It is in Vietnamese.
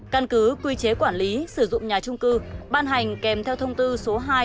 căn cứ quy chế quản lý sử dụng nhà trung cư ban hành kèm theo thông tư số hai